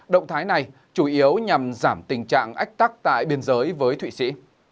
động thái này chủ yếu nhằm giảm tình trạng ách tắc tại biên giới với thụy sĩ